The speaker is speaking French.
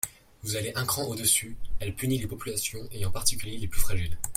Vous allez un cran au-dessus : elle punit les populations et en particulier les plus fragiles.